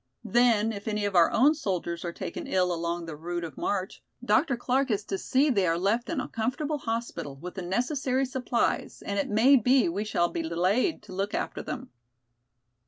Then, if any of our own soldiers are taken ill along the route of march, Dr. Clark is to see they are left in a comfortable hospital with the necessary supplies and it may be we shall be delayed to look after them."